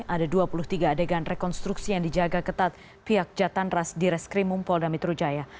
ada dua puluh tiga adegan rekonstruksi yang dijaga ketat pihak jatan ras di reskrim mumpol damitrujaya